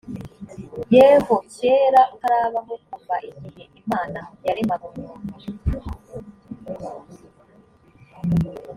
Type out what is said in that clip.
yeho keraa utarabaho kuva igihe imana yaremaga umuntu